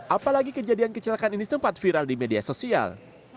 apalagi kejadian kecelakaan ini sempat viral di media sosial